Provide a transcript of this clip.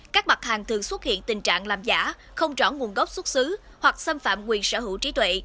các mặt hàng thường xuất hiện tình trạng làm giả không rõ nguồn gốc xuất xứ hoặc xâm phạm quyền sở hữu trí tuệ